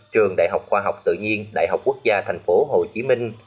trường đại học khoa học tự nhiên đại học quốc gia tp hcm